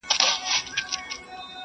راځی چي وشړو له خپلو کلیو!.